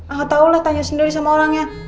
gak tau lah tanya sendiri sama orangnya